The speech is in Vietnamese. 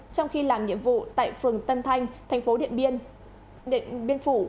trong khi làm nhiệm vụ tại phường tân thanh thành phố điện biên phủ